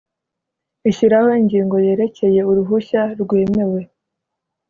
ishyiraho ingingo yerekeye uruhushya rwemewe